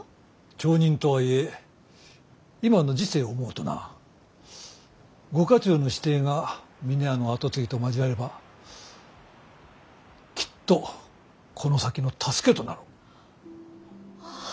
町人とはいえ今の時勢を思うとなご家中の子弟が峰屋の跡継ぎと交わればきっとこの先の助けとなろう。